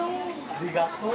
ありがとう。